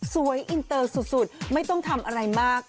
อินเตอร์สุดไม่ต้องทำอะไรมาก